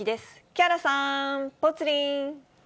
木原さん、ぽつリン。